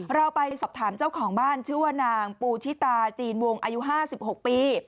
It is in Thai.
เราไปสอบถามเจ้าของบ้านชื่อว่านางปูชิตาจีนวงอายุ๕๖ปี